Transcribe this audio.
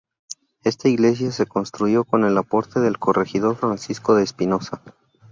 Está iglesia se construyó con el aporte del corregidor Francisco de Espinoza.